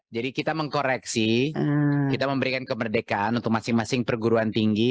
jadi kita mengkoreksi kita memberikan kemerdekaan untuk masing masing perguruan tinggi